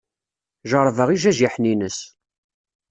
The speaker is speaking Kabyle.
Jeṛṛebeɣ ijajiḥen-ines.